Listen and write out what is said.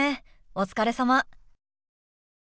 お疲れさま。